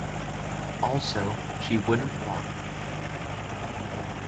Also, she wouldn't walk.